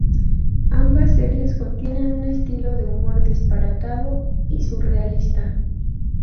Ambas series contienen un estilo de humor disparatado y surrealista.